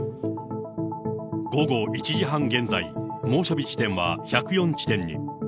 午後１時半現在、猛暑日地点は１０４地点に。